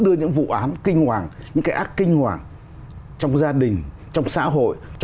dù nói về cái ác cái xấu